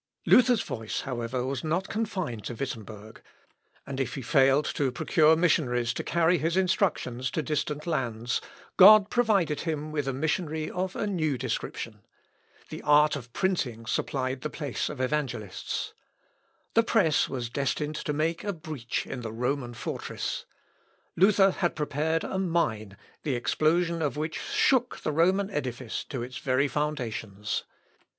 L. Op. (L.) xvii, p. 490. [Sidenote: THE "BABYLONISH CAPTIVITY OF THE CHURCH." VOWS.] Luther's voice, however, was not confined to Wittemberg; and if he failed to procure missionaries to carry his instructions to distant lands, God provided him with a missionary of a new description. The art of printing supplied the place of evangelists. The press was destined to make a breach in the Roman fortress. Luther had prepared a mine, the explosion of which shook the Roman edifice to its very foundations.